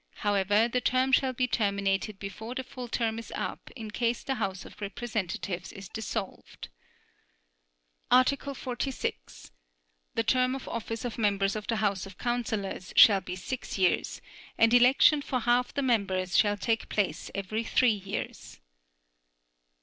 However, the term shall be terminated before the full term is up in case the House of Representatives is dissolved. Article 46. The term of office of members of the House of Councillors shall be six years, and election for half the members shall take place every three years.